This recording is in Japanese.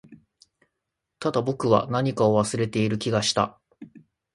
ただ、僕は何かを忘れている気がした